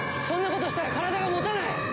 そんなことをしたら体がもたない！